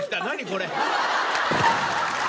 これ。